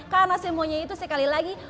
karena semuanya itu sekali lagi